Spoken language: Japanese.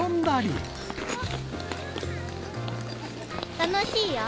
楽しいよ。